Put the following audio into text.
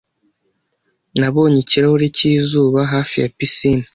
Nabonye ikirahuri cyizuba hafi ya pisine.